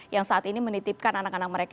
yang saat ini menitipkan anak anak mereka